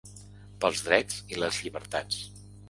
Pels drets i les llibertats.